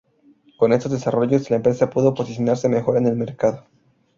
Con estos desarrollos, la empresa pudo posicionarse mejor en el mercado.